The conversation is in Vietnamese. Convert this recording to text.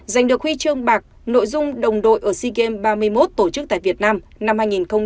giành được huy chương bạc nội dung đồng đội ở sea games ba mươi một tổ chức tại việt nam năm hai nghìn hai mươi